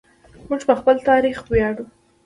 موږ په خپل تاریخ ویاړو.